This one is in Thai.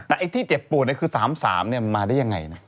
แต่ไอ้ที่เจ็บปวดเนี่ยคือ๓๓เนี่ยมันมาได้ยังไงนะ